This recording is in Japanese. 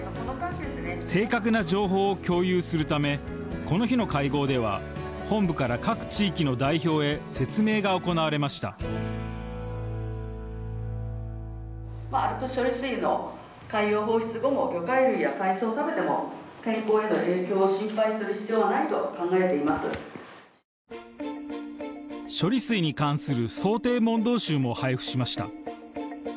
正確な情報を共有するためこの日の会合では本部から各地域の代表へ説明が行われました処理水に関する想定問答集も配布しました。